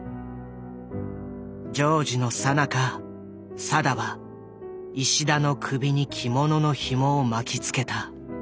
情事のさなか定は石田の首に着物のひもを巻きつけた。